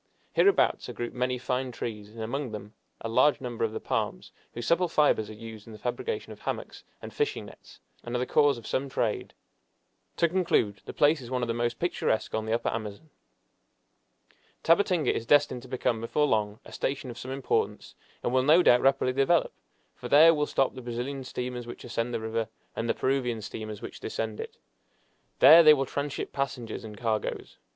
Hereabouts are grouped many fine trees, and among them a large number of the palms, whose supple fibers are used in the fabrication of hammocks and fishing nets, and are the cause of some trade. To conclude, the place is one of the most picturesque on the Upper Amazon. Tabatinga is destined to become before long a station of some importance, and will no doubt rapidly develop, for there will stop the Brazilian steamers which ascend the river, and the Peruvian steamers which descend it. There they will tranship passengers and cargoes.